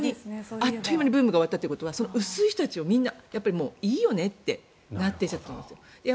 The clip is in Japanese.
あっという間にブームが終わったということはその薄い人たちをみんなもういいよねとなってきている。